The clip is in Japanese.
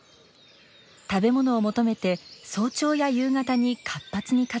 食べ物を求めて早朝や夕方に活発に活動します。